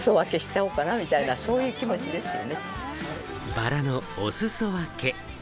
バラのおすそ分け。